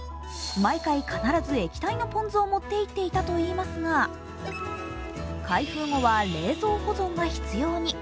毎回、必ず液体のポン酢を持っていっていたといいますが、開封後は冷蔵保存が必要に。